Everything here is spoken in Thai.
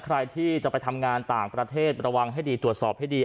ใครที่จะไปทำงานต่างประเทศระวังให้ดีตรวจสอบให้ดี